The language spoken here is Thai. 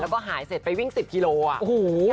แล้วก็หายเสร็จไปวิ่งสิบกิโลกรัม